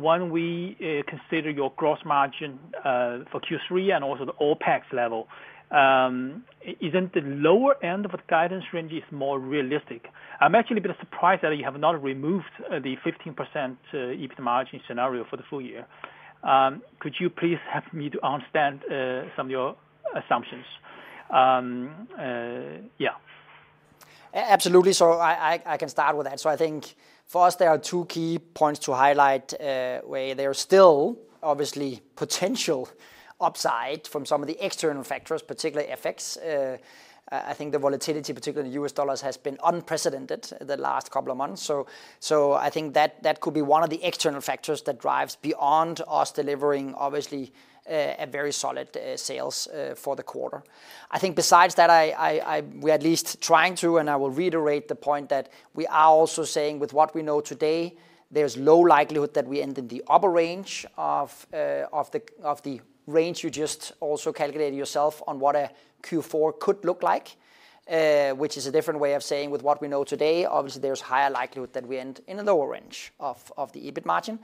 when we consider your gross margin for Q3 and also the OpEx level, isn't the lower end of the guidance range more realistic? I'm actually a bit surprised that you have not removed the 15% EBITDA margin scenario for the full year. Could you please help me to understand some of your assumptions? Yeah, absolutely. I can start with that. I think first there are two key points to highlight where there's still obviously potential upside from some of the external factors, particularly FX. I think the volatility, particularly U.S. dollars, has been unprecedented the last couple of months. I think that could be one of the external factors that drives beyond us delivering obviously a very solid sales for the quarter. Besides that, we at least are trying to, and I will reiterate the point that we are also saying with what we know today, there's low likelihood that we end in the upper range of the range. You just also calculated yourself on what a Q4 could look like, which is a different way of saying with what we know today, obviously there's higher likelihood that we end in a lower range of the EBIT margin.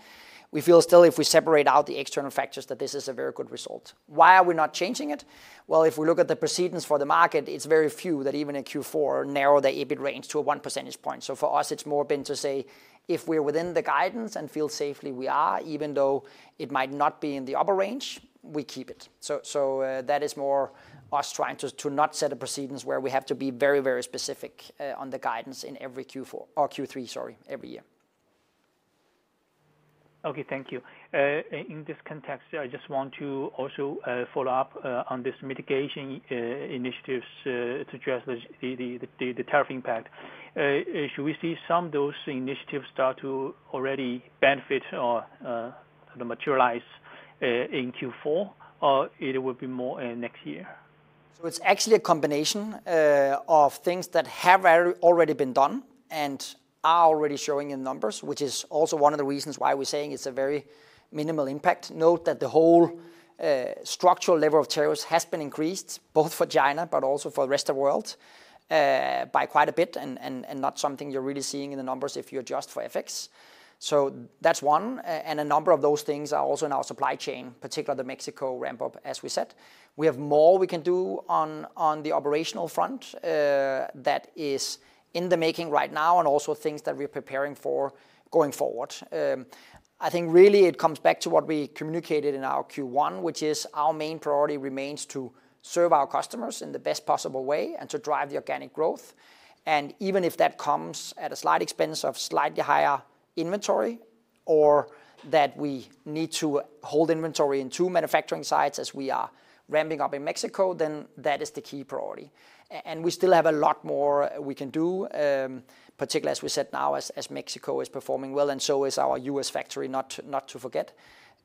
We feel still if we separate out the external factors that this is a very good result. Why are we not changing it? If we look at the proceedings for the market, it's very few that even in Q4 narrow the EBIT range to a 1% point. For us it's more been to say if we're within the guidance and feel safely we are, even though it might not be in the upper range, we keep it. That is more us trying to not set a proceedings where we have to be very, very specific on the guidance in every Q4 or Q3, sorry, every year. Okay, thank you. In this context, I just want to also follow up on these mitigation initiatives to address the tariff impact. Should we see some of those initiatives start to already benefit or materialize in Q4, or will it be more next year? It is actually a combination of things that have already been done and are already showing in numbers, which is also one of the reasons why we're saying it's a very minimal impact. Note that the whole structural level of tariffs has been increased both for China but also for the rest of world by quite a bit, and not something you're really seeing in the numbers if you adjust for FDA. That's one. A number of those things are also in our supply chain, particularly the Mexico ramp up. As we said, we have more we can do on the operational front that is in the making right now and also things that we're preparing for going forward. I think really it comes back to what we communicated in our Q1, which is our main priority remains to serve our customers in the best possible way and to drive the organic growth. Even if that comes at a slight expense of slightly higher inventory or that we need to hold inventory in two manufacturing sites as we are ramping up in Mexico, that is the key priority. We still have a lot more we can do, particularly as we said now as Mexico is performing well and so is our U.S. factory, not to forget.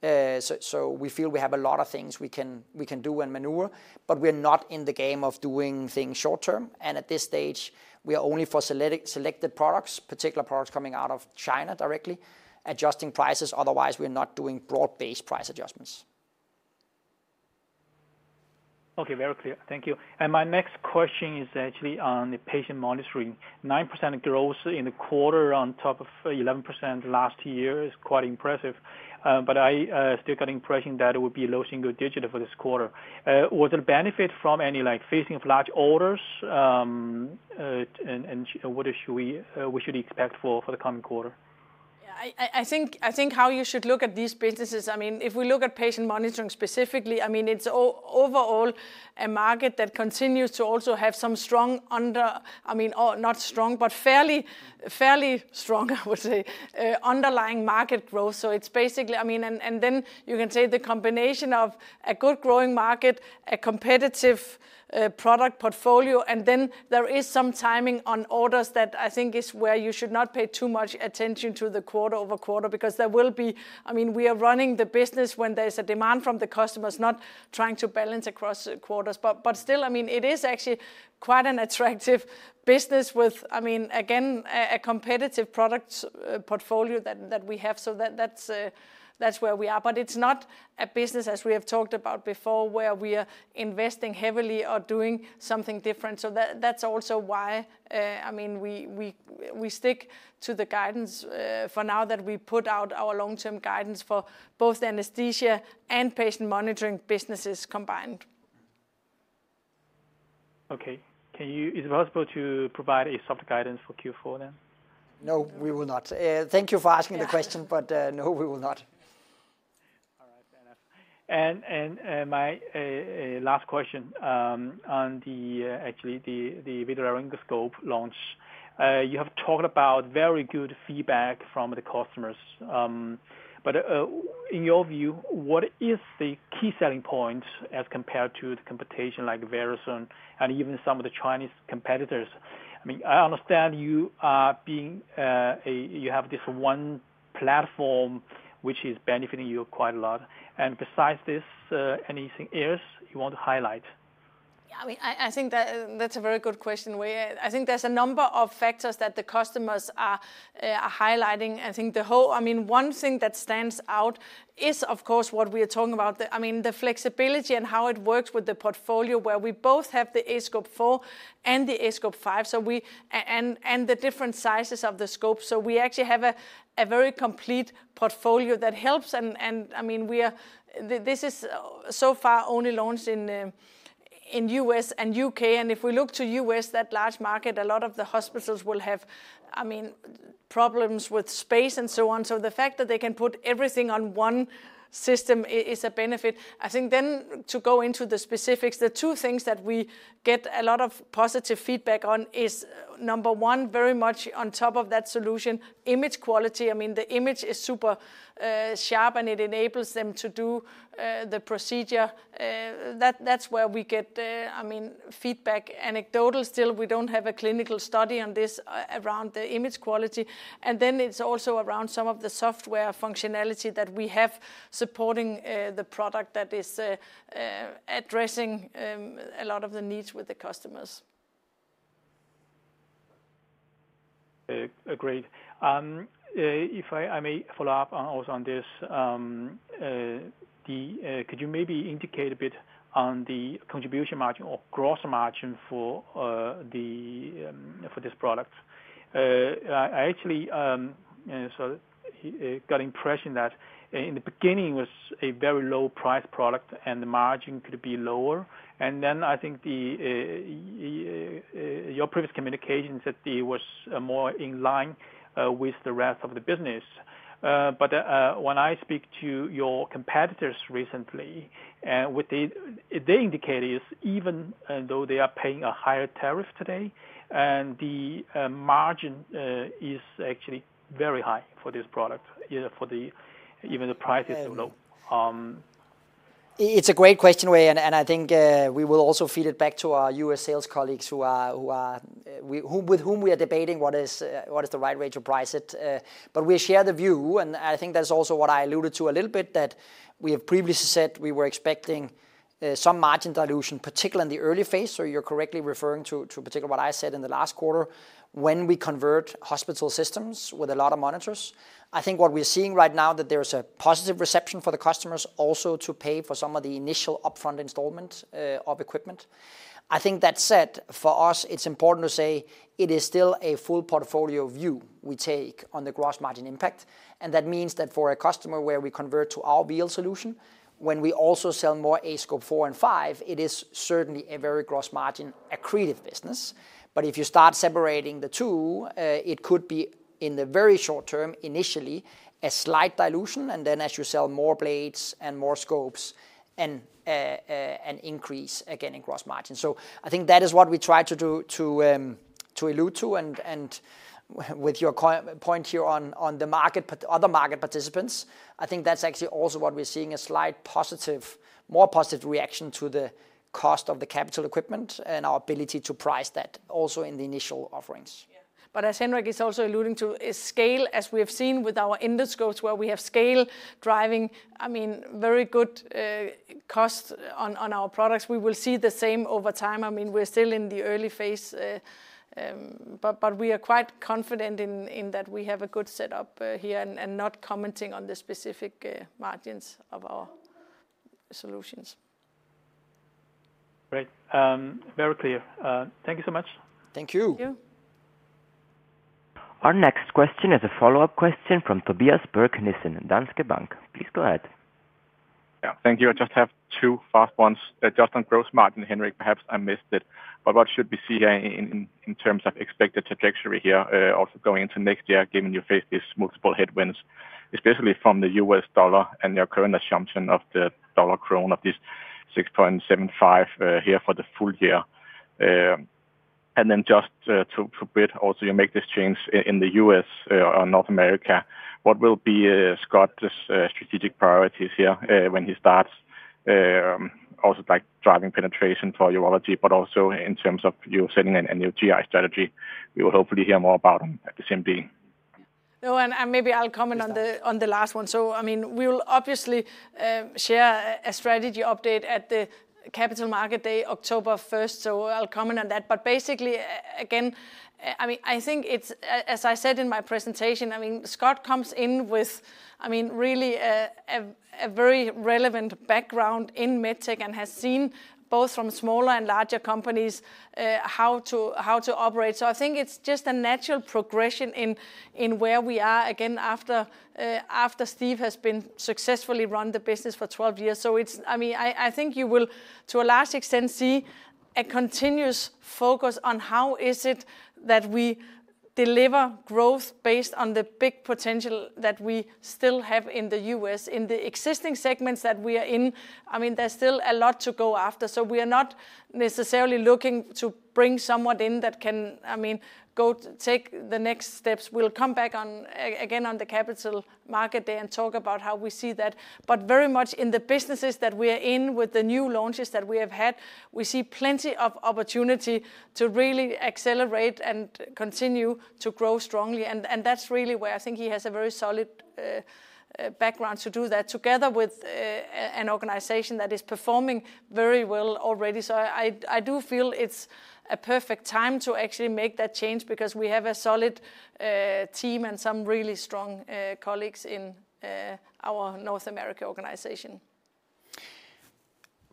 We feel we have a lot of things we can do and maneuver. We're not in the game of doing things short term. At this stage we are only for solidity selected products, particular products coming out of China directly adjusting prices. Otherwise we're not doing broad based price adjustments. Okay, very clear, thank you. My next question is actually on the patient monitoring. 9% growth in the quarter on top of 11% last year is quite impressive. I still got the impression that it would be low single digit for this quarter. Was it benefit from any like phasing of large orders, and what should we expect for the coming quarter? Yeah, I think how you should look at these businesses, I mean if we look at patient monitoring specifically, it's overall a market that continues to also have some strong, I mean not strong, but fairly strong, I would say underlying market growth. It's basically, I mean, and then you can say the combination of a good growing market, a competitive product portfolio, and then there is some timing on orders that I think is where you should not pay too much attention to the quarter over quarter because there will be, I mean we are running the business when there's a demand from the customers, not trying to balance across quarters. It is actually quite an attractive business with, I mean again, a competitive product portfolio that we have. That's where we are. It's not a business as we have talked about before where we are investing heavily or doing something different. That's also why we stick to the guidance for now that we put out, our long term guidance for both anesthesia and patient monitoring businesses combined. Okay, is it possible to provide a soft guidance for Q4 then? No, we will not. Thank you for asking me the question, but no, we will not. All right, Henrik, and my last question on the actually the video laryngoscopy launch, you have talked about very good feedback from the customers. In your view, what is the key selling point as compared to the competition like Verathon and even some of the Chinese competitors? I mean I understand you are being a, you have this one platform which is benefiting you quite a lot. Besides this, anything else you want to have? I think that's a very good question. I think there's a number of factors that the customers are highlighting. One thing that stands out is of course what we are talking about. I mean the flexibility and how it works with the portfolio where we both have the aScope 4 and the aScope 5 and the different sizes of the scope. We actually have a very complete portfolio that helps. This is so far only launched in the U.S. and U.K., and if we look to U.S., that large market, a lot of the hospitals will have problems with space and so on. The fact that they can put everything on one system is a benefit. To go into the specifics, the two things that we get a lot of positive feedback on are, number one, very much on top of that solution, image quality. The image is super sharp and it enables them to do the procedure. That's where we get feedback, anecdotal still, we don't have a clinical study on this, around the image quality, and then it's also around some of the software functionality that we have supporting the product that is addressing a lot of the needs with the customers. Agreed. I may follow up also on this. Could you maybe indicate a bit on the contribution margin or gross margin for this product? I actually got impression that in the beginning it was a very low priced product, and the margin could be lower. I think your previous communication said it was more in line with the rest of the business. When I speak to your competitors recently and what they indicate is even though they are paying a higher tariff today, the margin is actually very high for this product, even if the price is low. It's a great question, Wei, and I think we will also feed it back to our U.S. sales colleagues with whom we are debating what is the right way to price it. We share the view, and I think that's also what I alluded to a little bit, that we have previously said we were expecting some margin dilution, particularly in the early phase. You're correctly referring to particularly what I said in the last quarter. When we convert hospital systems with a lot of monitors, I think what we're seeing right now is that there's a positive reception for the customers also to pay for some of the initial upfront installment of equipment. That said, for us it's important to say it is still a full portfolio view. We take on the gross margin impact, and that means that for a customer where we convert to our BL solution, when we also sell more aScope 4 and aScope 5, it is certainly a very gross margin accretive business. If you start separating the two, it could be in the very short term initially a slight dilution, and then as you sell more blades and more scopes, an increase again in gross margin. I think that is what we try to allude to. With your point here on the market, other market participants, I think that's actually also what we're seeing—a slight more reaction to the cost of the capital equipment and our ability to price that also in the initial offerings. As Henrik is also alluding to, it is scale. As we have seen with our endoscopes where we have scale driving very good cost on our products, we will see the same over time. I mean we're still in the early phase, but we are quite confident in that we have a good setup here and not commenting on the specific margins of our solutions. Great, very clear. Thank you so much. Thank you. Our next question is a follow-up question from Tobias Berg Nissen, Danske Bank. Please go ahead. Yeah, thank you. I just have two fast ones just on gross margin. Henrik, perhaps I missed it, but what should we see here in terms of expected trajectory here also going into next year given you face these multiple headwinds, especially from the U.S. dollar and their current assumption of the dollar crown of 6.75 here for the full year, and then just to bid also you make this change in the U.S. or North America. What will be Scott's strategic priorities here when he starts? Also like driving penetration for urology but also in terms of you setting an NGI strategy, we will hopefully hear more about him at the same day. Maybe I'll comment on the last one. We will obviously share a strategy update at the Capital Markets Day October 1st. I'll comment on that. Basically again, I think it's as I said in my presentation, Scott comes in with really a very relevant background in medtech and has seen both from smaller and larger companies how to operate. I think it's just a natural progression in where we are again after Steve has successfully run the business for 12 years. I think you will to a large extent see a continuous focus on how is it that we deliver growth based on the big potential that we still have in the U.S. in the existing segments that we are in. There's still a lot to go after. We are not necessarily looking to bring someone in that can go take the next steps. We'll come back again on the Capital Markets Day and talk about how we see that. Very much in the businesses that we are in with the new launches that we have had, we see plenty of opportunity to really accelerate and continue to grow strongly. That's really where I think he has a very solid background to do that together with an organization that is performing very well already. I do feel it's a perfect time to actually make that change because we have a solid team and some really strong colleagues in our North America organization.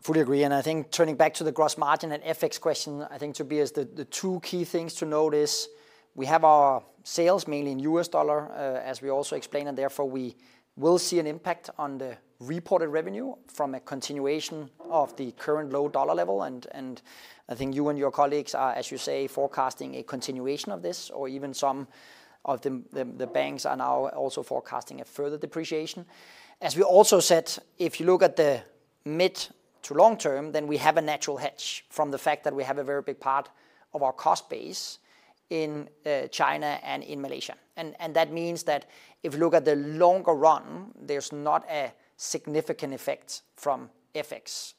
Fully agree. I think turning back to the gross margin and FX question, the two key things to note are we have our sales mainly in U.S. dollar, as we also explained, and therefore we will see an impact on the reported revenue from a continuation of the current low dollar level. I think you and your colleagues are, as you say, forecasting a continuation of this or even some of the banks are now also forecasting a further depreciation. As we also said, if you look at the mid to long term, we have a natural hedge from the fact that we have a very big part of our cost base in China and in Malaysia. That means if you look at the longer run, there's not a significant effect from FX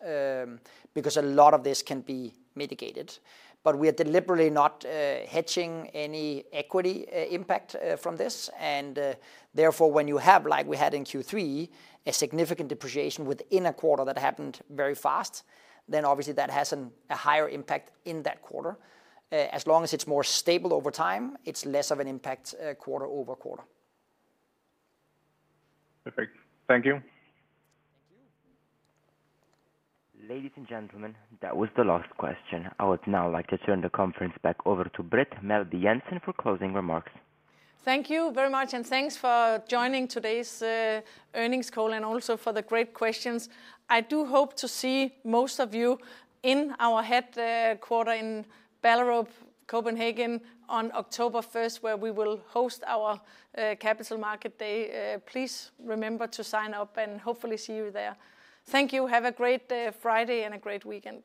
because a lot of this can be mitigated. We are deliberately not hedging any equity impact from this. Therefore, when you have, like we had in Q3, a significant depreciation within a quarter that happened very fast, obviously that has a higher impact in that quarter. As long as it's more stable over time, it's less of an impact quarter over quarter. Perfect. Thank you. Ladies and gentlemen, that was the last question. I would now like to turn the conference back over to Britt Meelby Jensen for closing remarks. Thank you very much and thanks for joining today's earnings call and also for the great questions. I do hope to see most of you in our headquarters in Copenhagen on October 1st where we will host our Capital Markets Day. Please remember to sign up and hopefully see you there. Thank you. Have a great Friday and a great weekend.